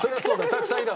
たくさんいた。